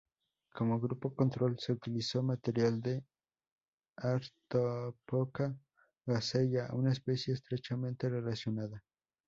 Como grupo control se utilizó material de "Arctophoca gazella" una especie estrechamente relacionada.